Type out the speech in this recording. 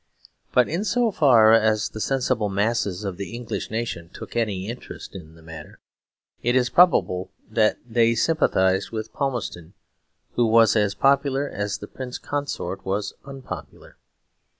But in so far as the sensible masses of the English nation took any interest in the matter, it is probable that they sympathised with Palmerston, who was as popular as the Prince Consort was unpopular.